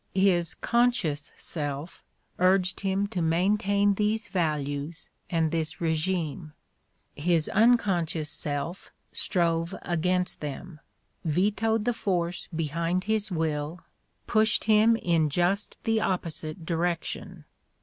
His conscious self urged him to maintain these values and this regime. His im conscious self strove against them, vetoed the force behind his will, pushed him in just the opposite i8o The Ordeal of Mark Twain direction.